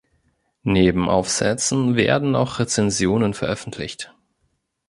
Neben Aufsätzen werden auch Rezensionen veröffentlicht.